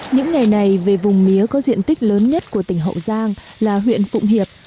những ngày này về vùng mía có diện tích lớn nhất của tỉnh hậu giang là huyện phụng hiệp